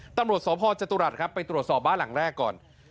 ตำรวจสพจตุรัสครับไปตรวจสอบบ้านหลังแรกก่อน